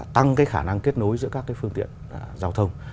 tăng cái khả năng kết nối giữa các phương tiện giao thông